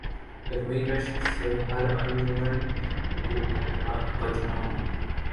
گرمئی رشک سے ہر انجمن گل بدناں